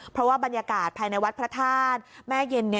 เพราะว่าบรรยากาศภายในวัดพระธาตุแม่เย็น